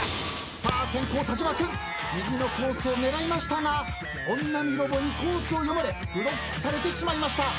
［さあ先攻田島君右のコースを狙いましたが本並ロボにコースを読まれブロックされてしまいました］